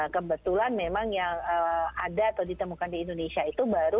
kebetulan memang yang ada atau ditemukan di indonesia itu baru